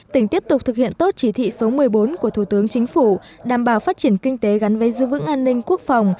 tỉnh tiếp tục thực hiện tốt chỉ thị số một mươi bốn của thủ tướng chính phủ đảm bảo phát triển kinh tế gắn với dư vững an ninh quốc phòng